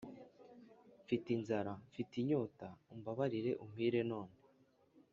Mfite inzara mfite inyota umbabarire umpire none